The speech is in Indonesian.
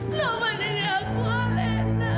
tuhan ini aku alena